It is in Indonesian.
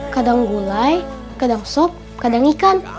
kadang gulai kadang sop kadang ikan